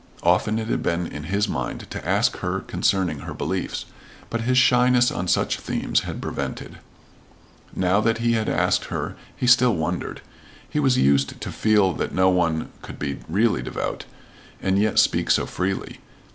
Often it had been in his mind to ask her concerning her beliefs, but his shyness on such themes had prevented. Now that he had asked her he still wondered. He was used to feel that no one could be really devout, and yet speak so freely.